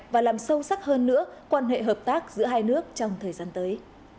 và làm sâu sắc hơn nữa quan hệ hợp tác giữa hai nước trong thời gian tới